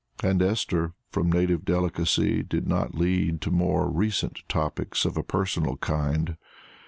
And Esther, from native delicacy, did not lead to more recent topics of a personal kind.